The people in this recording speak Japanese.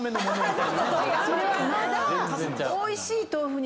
それはまだ。